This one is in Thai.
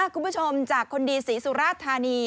คุณผู้ชมจากคนดีศรีสุราธานี